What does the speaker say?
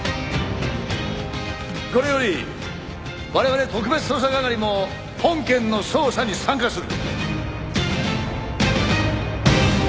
これより我々特別捜査係も本件の捜査に参加する！